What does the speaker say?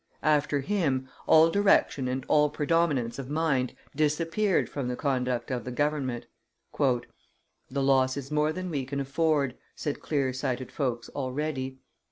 After him, all direction and all predominance of mind disappeared from the conduct of the government. "The loss is more than we can afford," said clear sighted folks already.